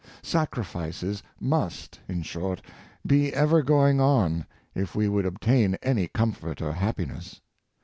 Sacrifices must, in short, be ever going on if we would obtain any comfort or happiness.